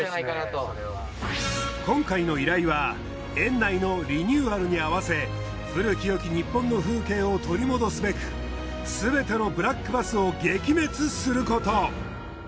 今回の依頼は園内のリニューアルに合わせ古きよき日本の風景を取り戻すべくすべてのブラックバスを撃滅すること。